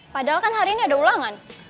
padahal kan hari ini ada ulangan